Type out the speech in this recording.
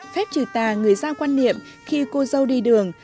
phép trừ tà người ra quan niệm khi cô dâu đi đường